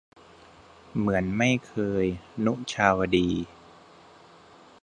เหมือนไม่เคย - นุชาวดี